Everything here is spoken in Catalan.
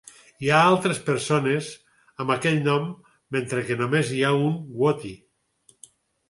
Hi ha altres persones amb aquell nom, mentre que només hi ha un Watty.